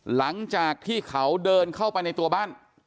หลังจากที่เขาเดินเข้าไปในตัวบ้าน